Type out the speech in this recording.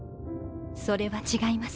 それは違います